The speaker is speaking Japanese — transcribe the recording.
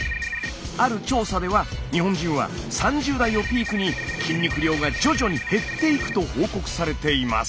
ある調査では日本人は３０代をピークに筋肉量が徐々に減っていくと報告されています。